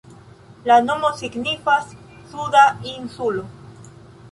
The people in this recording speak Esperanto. La nomo signifas "Suda insulo".